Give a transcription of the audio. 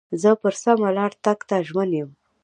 زه پر سمه لار تګ ته ژمن یم.